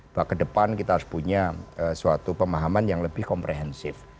bahwa ke depan kita harus punya suatu pemahaman yang lebih komprehensif